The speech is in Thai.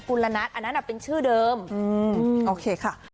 อืมโอเคค่ะ